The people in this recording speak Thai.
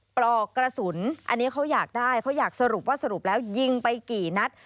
ปลอกกระสุนอันนี้เขาอยากได้เขาอยากสรุปว่าสรุปแล้วยิงไปกี่นัด